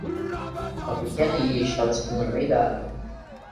Uma pequena ilha estava subindo no meio da água.